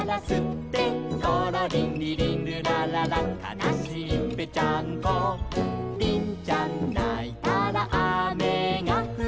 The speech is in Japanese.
「りりんるらららかなしいぺっちゃんこ」「りんちゃんないたらあめがふる」